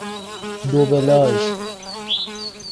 دو بلاژ